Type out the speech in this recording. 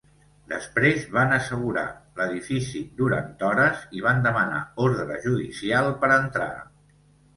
Després, van ‘assegurar’ l’edifici durant hores i van demanar ordre judicial per entrar.